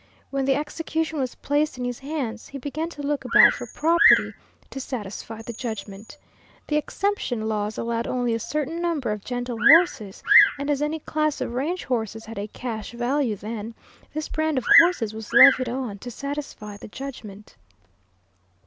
When the execution was placed in his hands, he began to look about for property to satisfy the judgment. The exemption laws allowed only a certain number of gentle horses, and as any class of range horses had a cash value then, this brand of horses was levied on to satisfy the judgment.